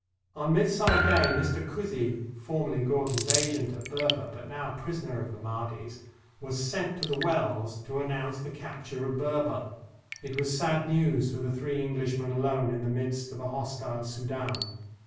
On Midsummer Day, Mr. Cuzzi, formerly Gordon's agent at Berber, but now a prisoner of the Mahdi's, was 245 EGYPT sent to the wells to announce the capture of Berber. It was sad news for the three Englishmen alone in the midst of a hostile Soudan.